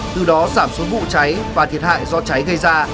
từ đó giảm số vụ cháy và thiệt hại do cháy gây ra